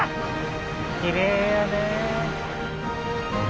きれいやねえ。